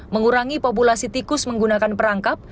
mengurangi populasi tikus menggunakan perangkap